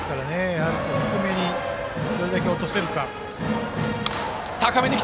やはり、低めにどれだけ落とせるか。